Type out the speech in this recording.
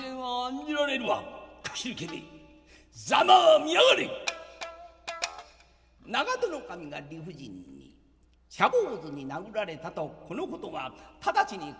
長門守が理不尽に茶坊主に殴られたとこのことがただちに家中に広がった。